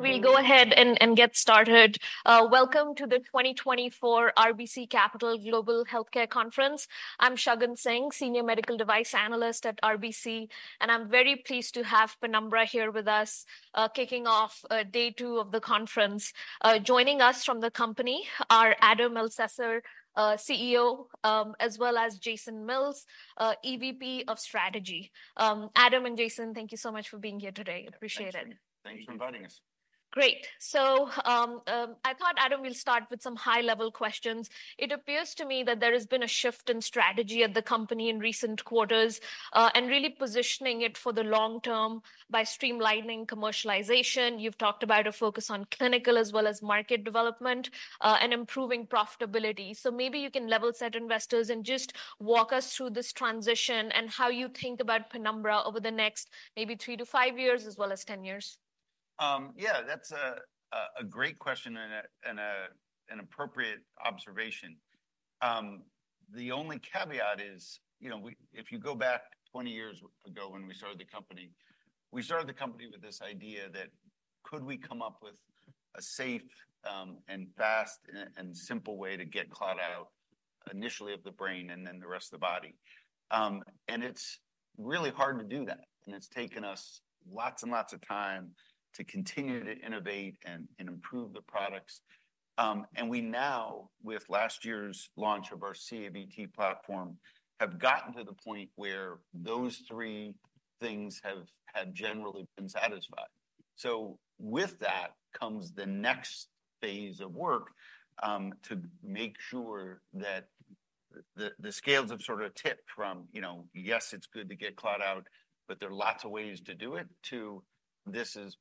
We'll go ahead and get started. Welcome to the 2024 RBC Capital Global Healthcare Conference. I'm Shagun Singh, Senior Medical Device Analyst at RBC, and I'm very pleased to have Penumbra here with us, kicking off day two of the conference. Joining us from the company are Adam Elsesser, CEO, as well as Jason Mills, EVP of Strategy. Adam and Jason, thank you so much for being here today. Appreciate it. Thanks for inviting us. Great! So, I thought, Adam, we'll start with some high-level questions. It appears to me that there has been a shift in strategy at the company in recent quarters, and really positioning it for the long term by streamlining commercialization. You've talked about a focus on clinical as well as market development, and improving profitability. So maybe you can level set investors and just walk us through this transition and how you think about Penumbra over the next maybe three to five years as well as 10 years. Yeah, that's a great question, and an appropriate observation. The only caveat is, you know, if you go back 20 years ago when we started the company, we started the company with this idea that, could we come up with a safe, and fast, and simple way to get clot out, initially of the brain and then the rest of the body? And it's really hard to do that, and it's taken us lots and lots of time to continue to innovate and improve the products. And we now, with last year's launch of our CAVT platform, have gotten to the point where those three things have generally been satisfied. So with that comes the next phase of work, to make sure that the scales have sort of tipped from, you know, yes, it's good to get clot out, but there are lots of ways to do it, to this is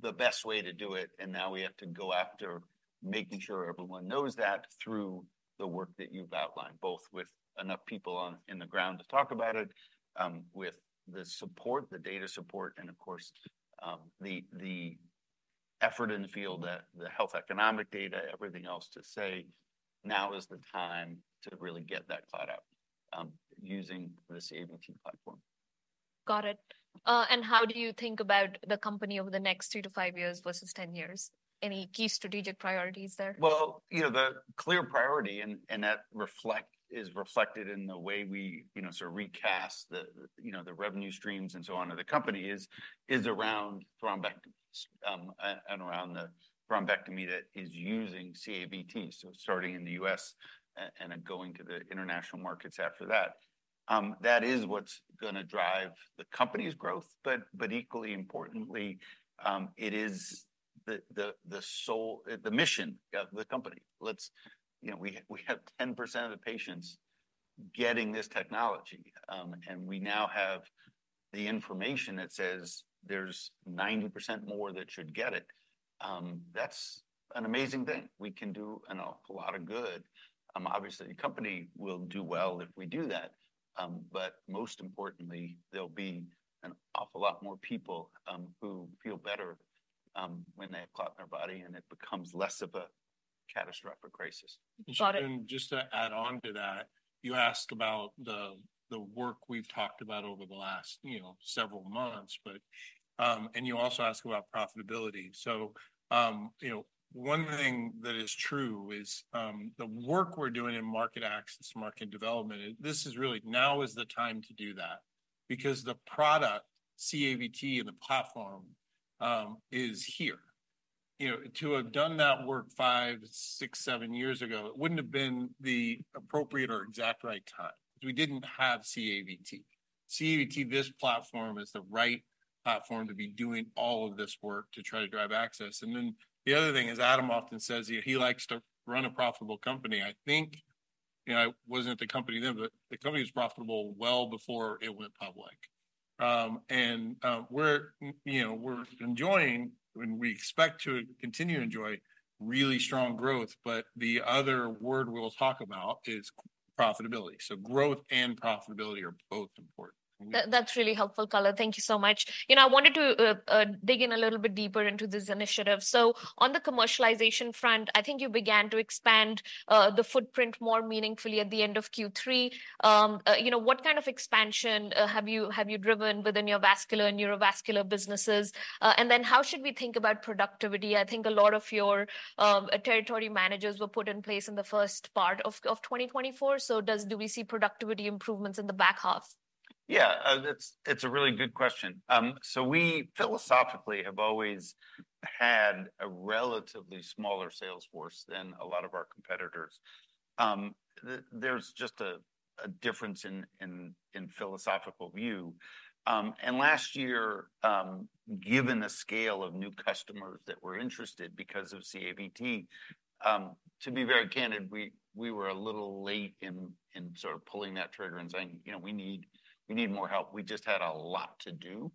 the best way to do it, and now we have to go after making sure everyone knows that through the work that you've outlined, both with enough people on the ground to talk about it, with the support, the data support, and of course, the effort in the field, the health economic data, everything else to say, "Now is the time to really get that clot out, using the CAVT platform. Got it. How do you think about the company over the next three to five years versus 10 years? Any key strategic priorities there? Well, you know, the clear priority, and that is reflected in the way we, you know, sort of recast the, you know, the revenue streams and so on of the company is around thrombectomy, and around the thrombectomy that is using CAVT, so starting in the U.S. and then going to the international markets after that. That is what's gonna drive the company's growth, but equally importantly, it is the sole mission of the company. You know, we have 10% of the patients getting this technology, and we now have the information that says there's 90% more that should get it. That's an amazing thing. We can do an awful lot of good. Obviously, the company will do well if we do that, but most importantly, there'll be an awful lot more people who feel better when they have a clot in their body, and it becomes less of a catastrophic crisis. Got it- And just to add on to that, you asked about the work we've talked about over the last, you know, several months, but and you also asked about profitability. So, you know, one thing that is true is the work we're doing in market access, market development; this is really now is the time to do that because the product, CAVT, and the platform is here. You know, to have done that work five, six, seven years ago, it wouldn't have been the appropriate or exact right time. We didn't have CAVT. CAVT, this platform, is the right platform to be doing all of this work to try to drive access. And then the other thing, as Adam often says, he likes to run a profitable company. I think, you know, I wasn't at the company then, but the company was profitable well before it went public. We're, you know, we're enjoying, and we expect to continue to enjoy really strong growth, but the other word we'll talk about is profitability. So growth and profitability are both important. That, that's really helpful color. Thank you so much. You know, I wanted to dig in a little bit deeper into this initiative. So on the commercialization front, I think you began to expand the footprint more meaningfully at the end of Q3. You know, what kind of expansion have you driven within your vascular and neurovascular businesses? And then how should we think about productivity? I think a lot of your territory managers were put in place in the first part of 2024, so do we see productivity improvements in the back half? Yeah, it's a really good question. So we philosophically have always had a relatively smaller sales force than a lot of our competitors. There's just a difference in philosophical view. And last year, given the scale of new customers that were interested because of CAVT, to be very candid, we were a little late in sort of pulling that trigger and saying: "You know, we need more help." We just had a lot to do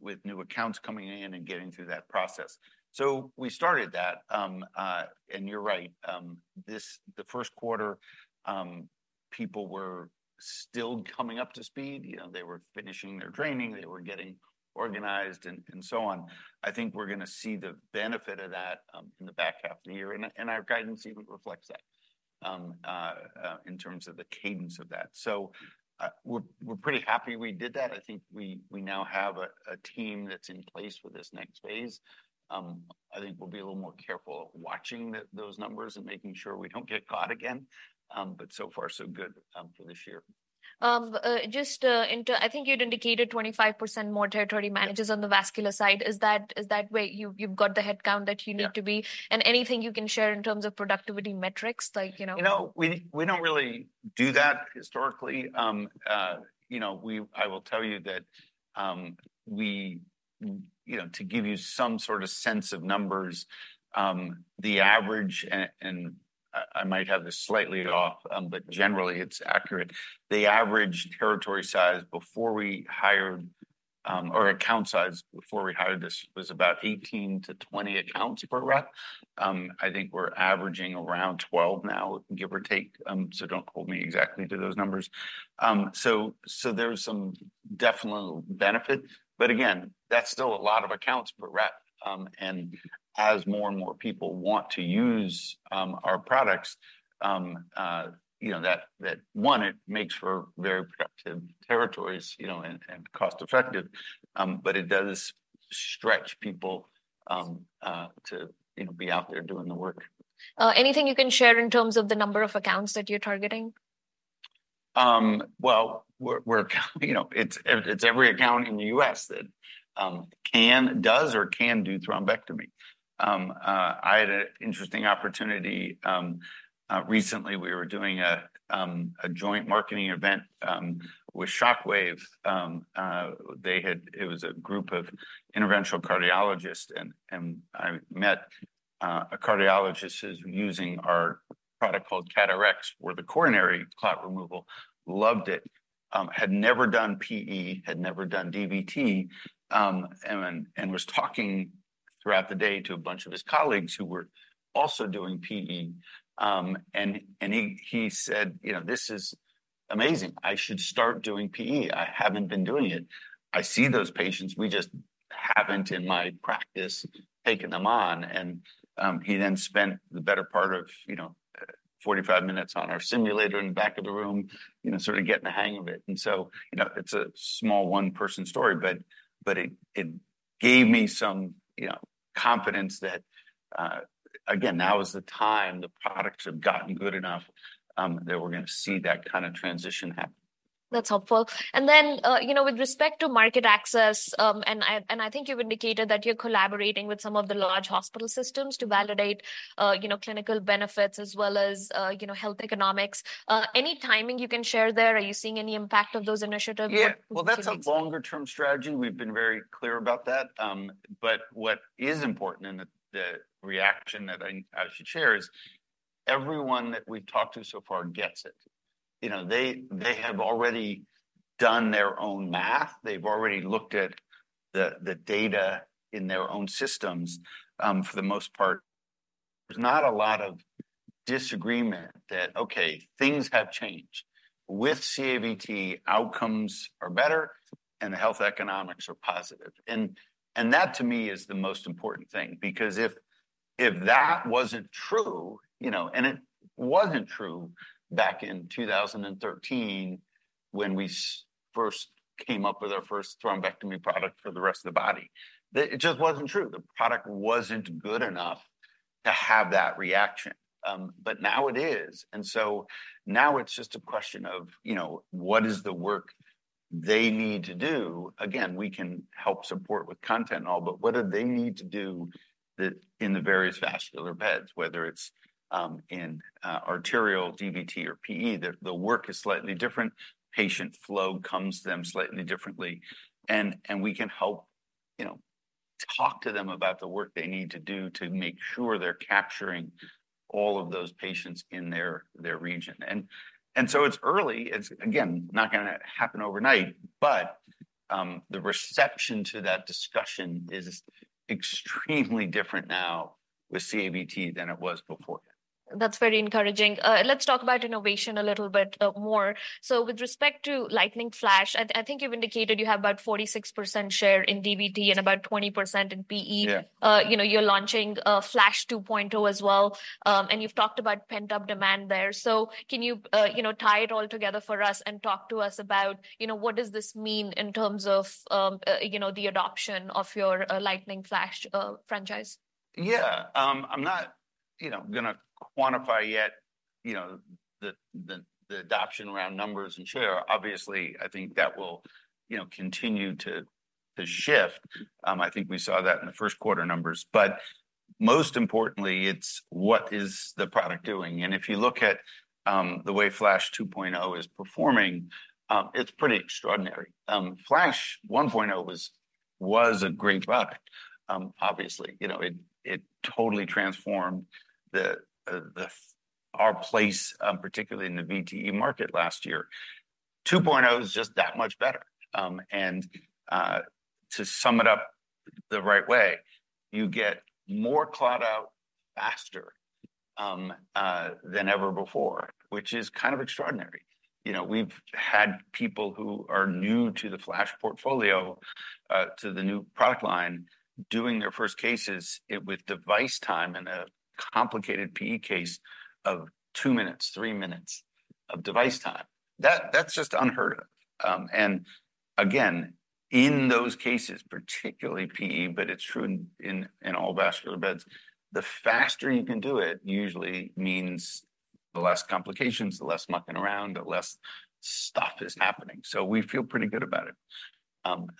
with new accounts coming in and getting through that process. So we started that, and you're right, the first quarter, people were still coming up to speed. You know, they were finishing their training, they were getting organized, and so on. I think we're gonna see the benefit of that... In the back half of the year, and our guidance even reflects that, in terms of the cadence of that. So, we're pretty happy we did that. I think we now have a team that's in place for this next phase. I think we'll be a little more careful watching those numbers and making sure we don't get caught again. But so far, so good, for this year. I think you'd indicated 25% more territory- Yeah managers on the vascular side. Is that, is that where you've, you've got the headcount that you need to be? Yeah. Anything you can share in terms of productivity metrics, like, you know? You know, we don't really do that historically. You know, we—I will tell you that, we... You know, to give you some sort of sense of numbers, the average, and I might have this slightly off, but generally it's accurate. The average territory size before we hired, or account size before we hired this was about 18-20 accounts per rep. I think we're averaging around 12 now, give or take, so don't hold me exactly to those numbers. So there's some definite benefits, but again, that's still a lot of accounts per rep. And as more and more people want to use our products, you know, it makes for very productive territories, you know, and cost effective to, you know, be out there doing the work. Anything you can share in terms of the number of accounts that you're targeting? Well, we're you know, it's every account in the U.S. that can, does, or can do thrombectomy. I had an interesting opportunity. Recently, we were doing a joint marketing event with Shockwave. It was a group of interventional cardiologists, and I met a cardiologist who's using our product called CAT RX where the coronary clot removal. Loved it, had never done PE, had never done DVT, and was talking throughout the day to a bunch of his colleagues who were also doing PE. And he said, "You know, this is amazing. I should start doing PE. I haven't been doing it. I see those patients. We just haven't, in my practice, taken them on." And he then spent the better part of, you know, 45 minutes on our simulator in the back of the room, you know, sort of getting the hang of it. And so, you know, it's a small one-person story, but it gave me some, you know, confidence that, again, now is the time. The products have gotten good enough that we're gonna see that kind of transition happen. That's helpful. Then, you know, with respect to market access, and I think you've indicated that you're collaborating with some of the large hospital systems to validate, you know, clinical benefits as well as, you know, health economics. Any timing you can share there? Are you seeing any impact of those initiatives? Yeah. Well, that's a longer-term strategy. We've been very clear about that. But what is important, and the reaction that I should share, is everyone that we've talked to so far gets it. You know, they have already done their own math. They've already looked at the data in their own systems, for the most part. There's not a lot of disagreement that, okay, things have changed. With CAVT, outcomes are better, and the health economics are positive. And that, to me, is the most important thing because if that wasn't true, you know, and it wasn't true back in 2013 when we first came up with our first thrombectomy product for the rest of the body, then it just wasn't true. The product wasn't good enough to have that reaction. But now it is. And so now it's just a question of, you know, what is the work they need to do? Again, we can help support with content and all, but what do they need to do that in the various vascular beds, whether it's in arterial, DVT or PE? The work is slightly different. Patient flow comes to them slightly differently, and we can help, you know, talk to them about the work they need to do to make sure they're capturing all of those patients in their region. And so it's early. It's again not gonna happen overnight, but the reception to that discussion is extremely different now with CAVT than it was before. That's very encouraging. Let's talk about innovation a little bit, more. So with respect to Lightning Flash, I think you've indicated you have about 46% share in DVT and about 20% in PE. Yeah. You know, you're launching Flash 2.0 as well, and you've talked about pent-up demand there. So can you, you know, tie it all together for us and talk to us about, you know, what does this mean in terms of, you know, the adoption of your Lightning Flash franchise? Yeah. I'm not, you know, gonna quantify yet, you know, the adoption around numbers and share. Obviously, I think that will, you know, continue to shift. I think we saw that in the first quarter numbers. But most importantly, it's what is the product doing? And if you look at the way Flash 2.0 is performing, it's pretty extraordinary. Flash 1.0 was a great product. Obviously, you know, it totally transformed the forefront, particularly in the VTE market last year. 2.0 is just that much better. And to sum it up the right way, you get more clot out faster than ever before, which is kind of extraordinary. You know, we've had people who are new to the Flash portfolio, to the new product line, doing their first cases with device time in a complicated PE case of two minutes, three minutes of device time. That, that's just unheard of. And again, in those cases, particularly PE, but it's true in all vascular beds, the faster you can do it usually means the less complications, the less mucking around, the less stuff is happening. So we feel pretty good about it.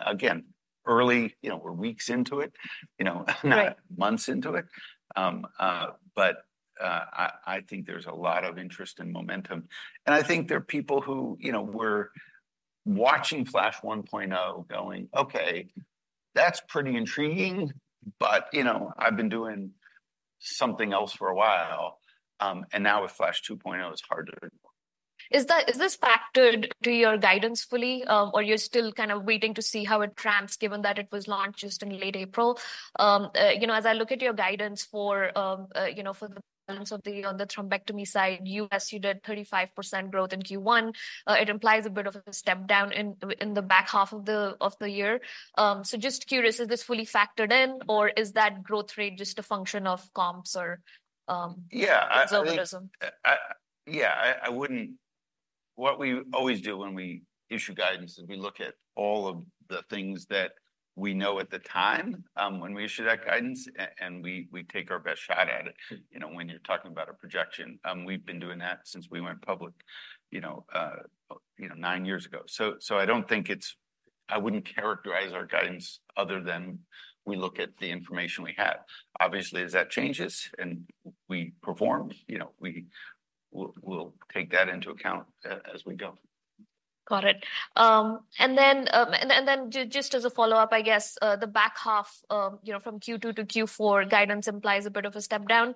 Again, early, you know, we're weeks into it, you know. Right. - months into it. But I think there's a lot of interest and momentum. And I think there are people who, you know, were watching Flash 1.0, going: "Okay, that's pretty intriguing, but, you know, I've been doing something else for a while." And now with Flash 2.0, it's hard to ignore. Is this factored to your guidance fully, or you're still kind of waiting to see how it trends, given that it was launched just in late April? You know, as I look at your guidance for, you know, for the balance of the, on the thrombectomy side, you assumed at 35% growth in Q1. It implies a bit of a step down in the back half of the year. So just curious, is this fully factored in, or is that growth rate just a function of comps or Yeah, I- - conservatism?... yeah, I wouldn't. What we always do when we issue guidance is, we look at all of the things that we know at the time, when we issue that guidance, and we take our best shot at it. You know, when you're talking about a projection, we've been doing that since we went public, you know, you know, nine years ago. So, I don't think it's. I wouldn't characterize our guidance other than we look at the information we have. Obviously, as that changes and we perform, you know, we'll take that into account as we go. Got it. And then just as a follow-up, I guess, the back half, you know, from Q2 to Q4, guidance implies a bit of a step down.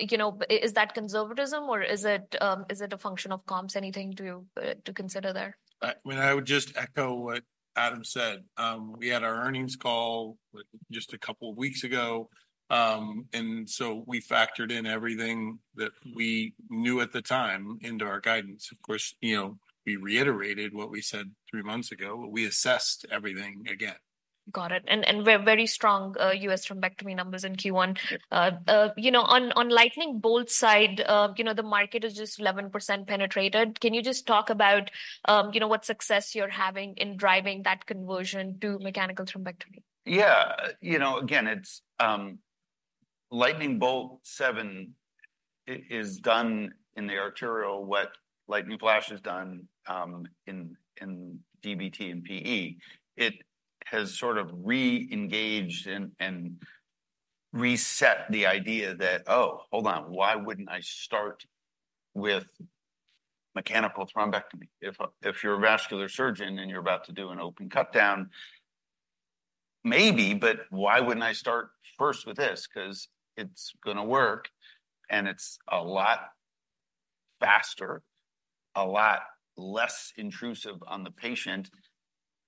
You know, is that conservatism or is it a function of comps, anything to consider there? I mean, I would just echo what Adam said. We had our earnings call just a couple of weeks ago, and so we factored in everything that we knew at the time into our guidance. Of course, you know, we reiterated what we said three months ago, but we assessed everything again. Got it. And very strong U.S. thrombectomy numbers in Q1. Yeah. You know, on Lightning Bolt side, you know, the market is just 11% penetrated. Can you just talk about, you know, what success you're having in driving that conversion to mechanical thrombectomy? Yeah. You know, again, it's Lightning Bolt 7 is done in the arterial, what Lightning Flash has done, in DVT and PE. It has sort of re-engaged and reset the idea that, "Oh, hold on, why wouldn't I start with mechanical thrombectomy?" If you're a vascular surgeon and you're about to do an open cut down, maybe, but why wouldn't I start first with this? 'Cause it's gonna work, and it's a lot faster, a lot less intrusive on the patient,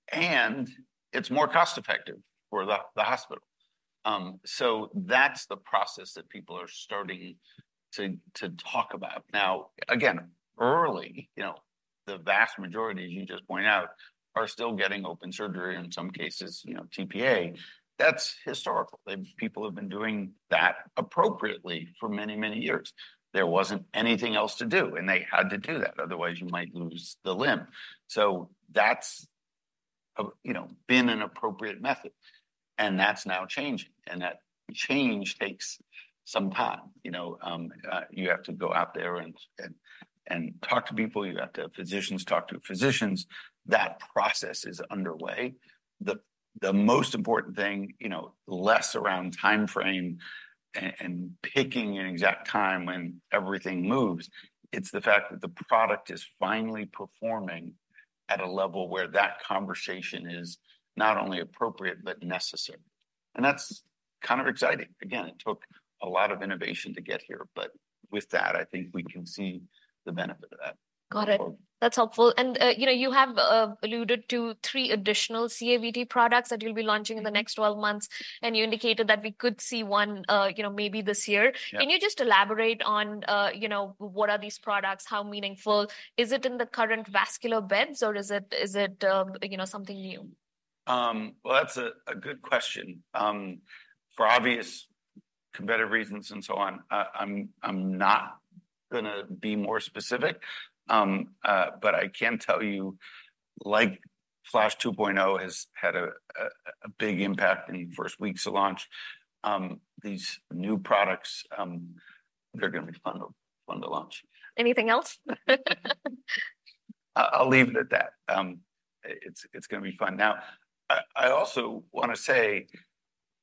and it's more cost-effective for the hospital. So that's the process that people are starting to talk about. Now, again, early, you know, the vast majority, as you just pointed out, are still getting open surgery, in some cases, you know, tPA. That's historical. People have been doing that appropriately for many, many years. There wasn't anything else to do, and they had to do that, otherwise, you might lose the limb. So that's, you know, been an appropriate method, and that's now changing, and that change takes some time. You know, you have to go out there and talk to people. You have to have physicians talk to physicians. That process is underway. The most important thing, you know, less around time frame and picking an exact time when everything moves, it's the fact that the product is finally performing at a level where that conversation is not only appropriate, but necessary. And that's kind of exciting. Again, it took a lot of innovation to get here, but with that, I think we can see the benefit of that. Got it. That's helpful. You know, you have alluded to three additional CAVT products that you'll be launching in the next 12 months, and you indicated that we could see one, you know, maybe this year. Yeah. Can you just elaborate on, you know, what are these products? How meaningful? Is it in the current vascular beds, or is it, is it, you know, something new? Well, that's a good question. I'm not gonna be more specific. But I can tell you, like Flash 2.0 has had a big impact in the first weeks of launch, these new products, they're gonna be fun to launch. Anything else? I'll leave it at that. It's gonna be fun. Now, I also want to say,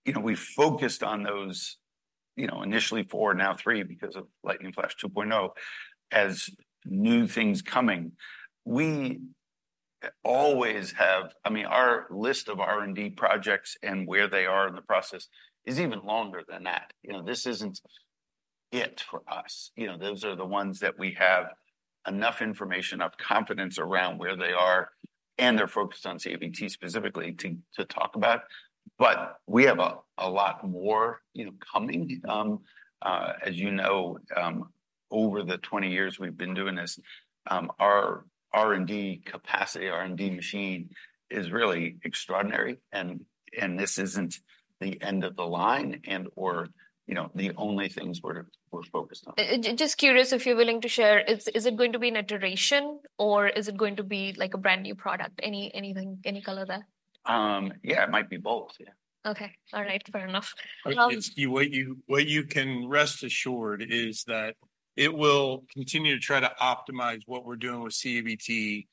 you know, we focused on those, you know, initially four, now three, because of Lightning Flash 2.0, as new things coming. We always have, I mean, our list of R&D projects and where they are in the process is even longer than that. You know, this isn't it for us. You know, those are the ones that we have enough information of confidence around where they are, and they're focused on CAVT specifically to talk about. But we have a lot more, you know, coming. As you know, over the 20 years we've been doing this, our R&D capacity, R&D machine is really extraordinary, and this isn't the end of the line or, you know, the only things we're focused on. Just curious if you're willing to share, is it going to be an iteration, or is it going to be, like, a brand-new product? Anything, any color there? Yeah, it might be both, yeah. Okay. All right, fair enough. It's what you can rest assured is that it will continue to try to optimize what we're doing with CAVT,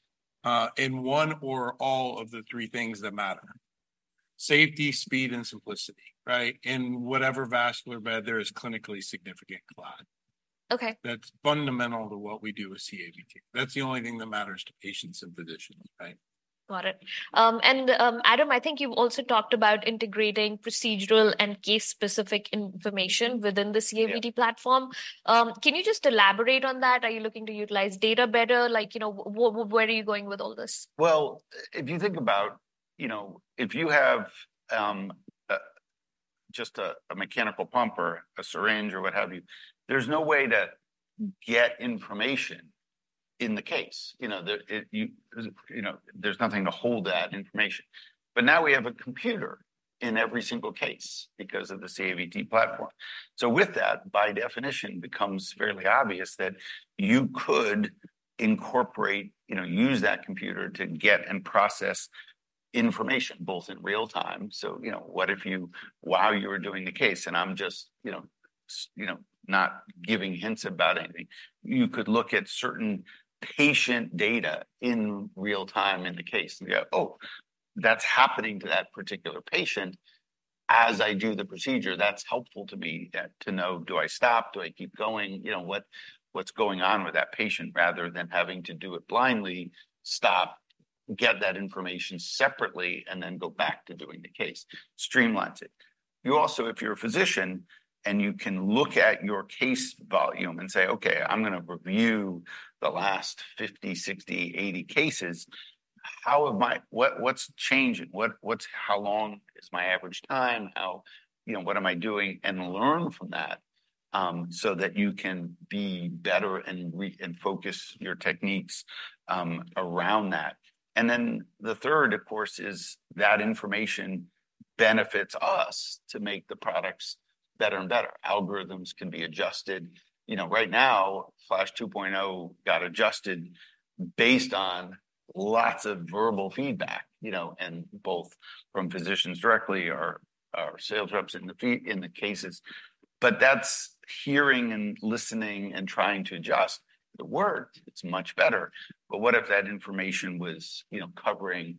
in one or all of the three things that matter: safety, speed, and simplicity, right? In whatever vascular bed there is clinically significant clot. Okay. That's fundamental to what we do with CAVT. That's the only thing that matters to patients and physicians, right? Got it. Adam, I think you've also talked about integrating procedural and case-specific information within the CAVT- Yeah... platform. Can you just elaborate on that? Are you looking to utilize data better? Like, you know, where are you going with all this? Well, if you think about, you know, if you have just a mechanical pump or a syringe or what have you, there's no way to get information in the case. You know, there's nothing to hold that information. But now we have a computer in every single case because of the CAVT platform. So with that, by definition, becomes fairly obvious that you could incorporate, you know, use that computer to get and process information, both in real time. So, you know, what if you, while you were doing the case, and I'm just, you know, you know, not giving hints about anything, you could look at certain patient data in real time in the case, and go, "Oh, that's happening to that particular patient." As I do the procedure, that's helpful to me, to know, do I stop? Do I keep going? You know, what, what's going on with that patient? Rather than having to do it blindly, stop, get that information separately, and then go back to doing the case. Streamlines it. You also, if you're a physician, and you can look at your case volume and say, "Okay, I'm gonna review the last 50, 60, 80 cases, how am I-- what, what's changing? What, what's-- how long is my average time? How-- you know, what am I doing?" And learn from that, so that you can be better and re- and focus your techniques, around that. And then the third, of course, is that information benefits us to make the products better and better. Algorithms can be adjusted. You know, right now, Flash 2.0 got adjusted based on lots of verbal feedback, you know, and both from physicians directly or sales reps in the field in the cases. But that's hearing and listening and trying to adjust. It worked. It's much better. But what if that information was, you know, covering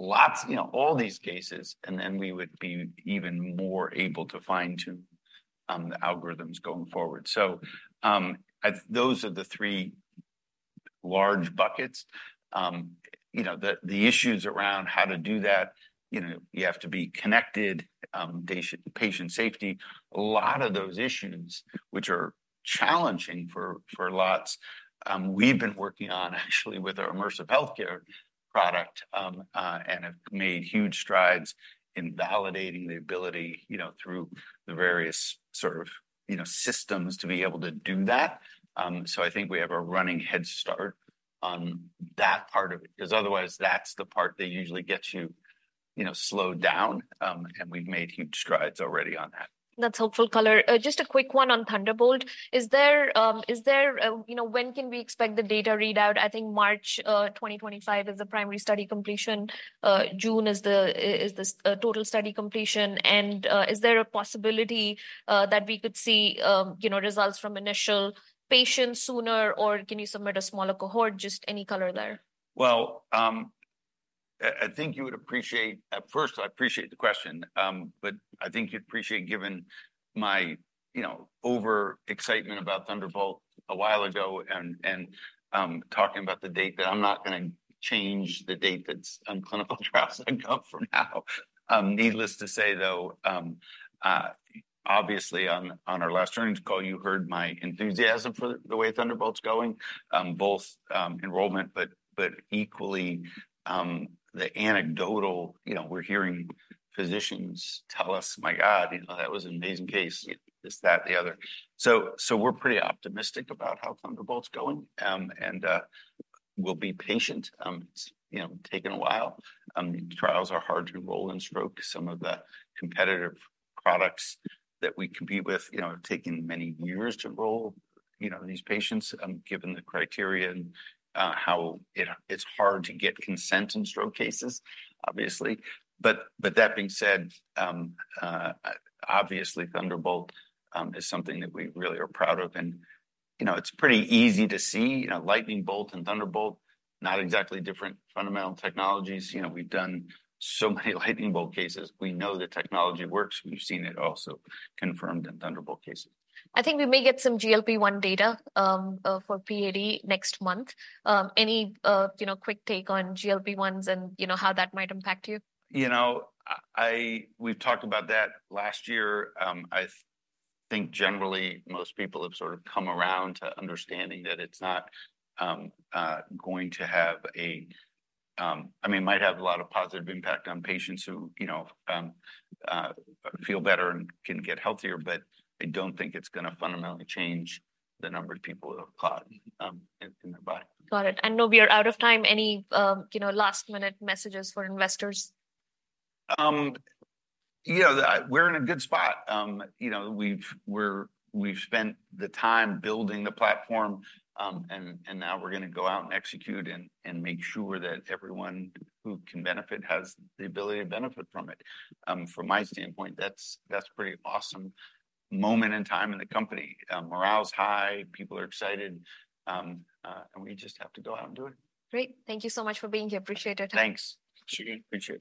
lots, you know, all these cases, and then we would be even more able to fine-tune the algorithms going forward. So, those are the three large buckets. You know, the issues around how to do that, you know, you have to be connected, patient safety. A lot of those issues, which are challenging for lots, we've been working on actually with our immersive healthcare product, and have made huge strides in validating the ability, you know, through the various sort of, you know, systems to be able to do that. So I think we have a running head start on that part of it, 'cause otherwise, that's the part that usually gets you, you know, slowed down, and we've made huge strides already on that. That's helpful color. Just a quick one on Thunderbolt. Is there, is there... You know, when can we expect the data readout? I think March 2025 is the primary study completion, June is the total study completion. And, is there a possibility, that we could see, you know, results from initial patients sooner, or can you submit a smaller cohort? Just any color there. Well, I think you would appreciate. At first, I appreciate the question, but I think you'd appreciate, given my, you know, overexcitement about Thunderbolt a while ago and talking about the date, that I'm not gonna change the date that's on clinical trials that go from now. Needless to say, though, obviously on our last earnings call, you heard my enthusiasm for the way Thunderbolt's going, both enrollment, but equally the anecdotal. You know, we're hearing physicians tell us, "My God, you know, that was an amazing case," this, that, and the other. So we're pretty optimistic about how Thunderbolt's going, and we'll be patient. It's, you know, taking a while. Trials are hard to enroll in stroke. Some of the competitive products that we compete with, you know, have taken many years to enroll, you know, these patients, given the criteria and how, you know, it's hard to get consent in stroke cases, obviously. But that being said, obviously, Thunderbolt is something that we really are proud of. And, you know, it's pretty easy to see, you know, Lightning Bolt and Thunderbolt, not exactly different fundamental technologies. You know, we've done so many Lightning Bolt cases. We know the technology works. We've seen it also confirmed in Thunderbolt cases. I think we may get some GLP-1 data for PAD next month. Any, you know, quick take on GLP-1s and, you know, how that might impact you? You know, we've talked about that last year. I think generally, most people have sort of come around to understanding that it's not going to have a... I mean, it might have a lot of positive impact on patients who, you know, feel better and can get healthier, but I don't think it's gonna fundamentally change the number of people with a clot in their body. Got it. I know we are out of time. Any, you know, last-minute messages for investors? You know, we're in a good spot. You know, we've spent the time building the platform, and now we're gonna go out and execute and make sure that everyone who can benefit has the ability to benefit from it. From my standpoint, that's a pretty awesome moment in time in the company. Morale's high, people are excited, and we just have to go out and do it. Great. Thank you so much for being here. Appreciate your time. Thanks. Appreciate it.